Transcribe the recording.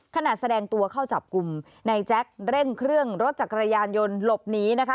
แสดงตัวเข้าจับกลุ่มนายแจ็คเร่งเครื่องรถจักรยานยนต์หลบหนีนะคะ